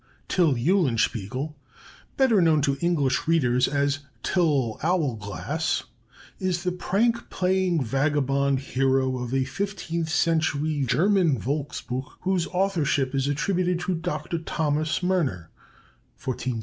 Till Eulenspiegel, better known to English readers as Tyll Owlglass, is the prank playing vagabond hero of a fifteenth century German Volksbuch whose authorship is attributed to Dr. Thomas Murner (1475 1530).